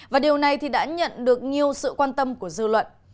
và điều này đã nhận được nhiều sự quan tâm của dư luận